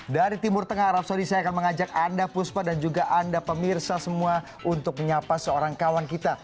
dari timur tengah arab saudi saya akan mengajak anda puspa dan juga anda pemirsa semua untuk menyapa seorang kawan kita